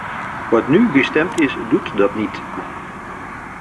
Wat nu gestemd is doet dat niet.